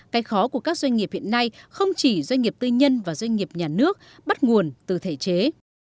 cái khó của các doanh nghiệp hiện nay không chỉ doanh nghiệp tư nhân và doanh nghiệp nhà nước bắt nguồn từ thể chế